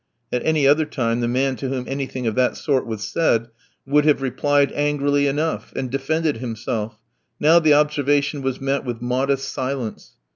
At any other time the man to whom anything of that sort was said would have replied angrily enough, and defended himself; now the observation was met with modest silence.